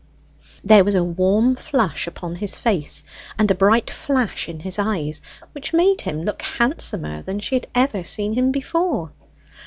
There was a warm flush upon his face, and a bright flash in his eyes, which made him look handsomer than she had ever seen him before.